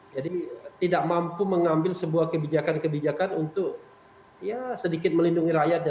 jadi tidak mampu mengambil sebuah kebijakan kebijakan untuk ya sedikit melindungi rakyatnya